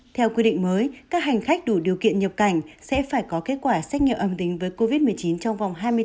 theo quy định mới các hành khách đủ điều kiện nhập cảnh sẽ phải có kết quả xét nghiệm âm tính với covid một mươi chín trong vòng hai mươi bốn giờ